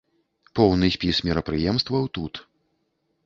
Поўны спіс мерапрыемстваў тут.